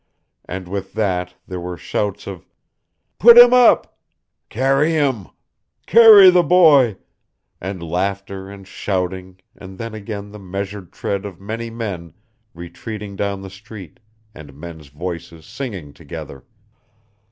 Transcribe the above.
And with that there were shouts of "Put him up" "Carry him" "Carry the boy," and laughter and shouting and then again the measured tread of many men retreating down the street, and men's voices singing together.